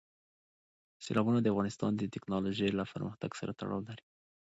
سیلابونه د افغانستان د تکنالوژۍ له پرمختګ سره تړاو لري.